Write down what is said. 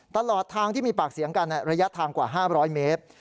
ตลอดทางที่มีปากเสียงกันระยะทางกว่า๕๐๐เมตร